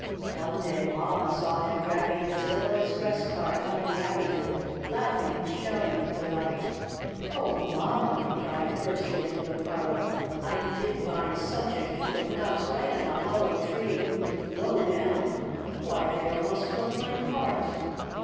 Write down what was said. One day mamma saw him dragging his little express cart up the avenue, laughing and shouting with delight. mamma!^^ he cried, bursting into the parlor, did find such a heap of nuts right in a hollow tree — low down. Why, they almost filled my cart!